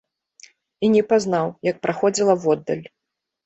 І не пазнаў, як праходзіла воддаль.